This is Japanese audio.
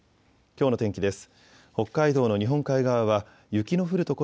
きょうの天気です。